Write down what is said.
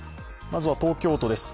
まずは東京都です。